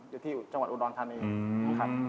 อยู่ที่จังหวัดอุดรธานีนะครับ